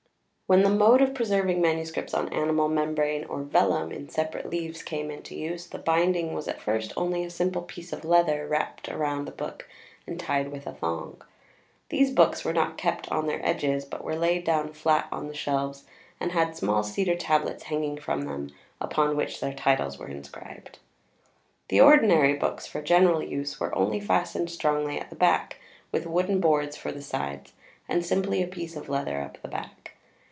When the mode of preserving MS. on animal membrane or vellum in separate leaves came into use, the binding was at first only a simple piece of leather wrapped round the book and tied with a thong. These books were not kept on their edges, but were laid down flat on the shelves, and had small cedar tablets hanging from them upon which their titles were inscribed. The ordinary books for general use were only fastened strongly at the back, with wooden boards for the sides, and simply a piece of leather up the back.